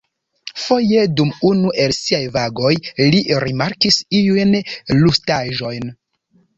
Foje, dum unu el siaj vagoj, li rimarkis iujn rustaĵojn.